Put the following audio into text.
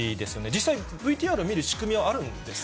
実際、ＶＴＲを見る仕組みはあるんですか？